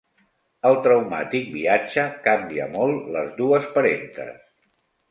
El traumàtic viatge canvia molt les dues parentes.